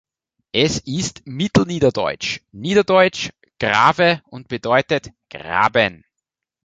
Es ist mittelniederdeutsch, niederdeutsch „grave“ und bedeutet „Graben“.